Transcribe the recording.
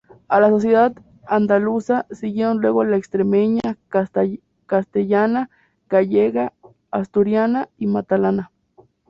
A la sociedad andaluza siguieron luego la extremeña, castellana, gallega, asturiana y catalana.